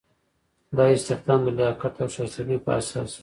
دا استخدام د لیاقت او شایستګۍ په اساس وي.